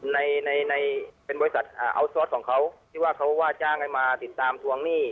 ในในเป็นบริษัทอัลซอสของเขาที่ว่าเขาว่าจ้างให้มาติดตามทวงหนี้